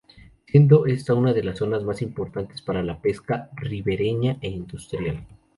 Siendo esta una de las zonas más importantes para la pesca ribereña e industrial.